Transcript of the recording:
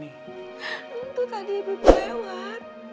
itu tadi ibu ibu lewat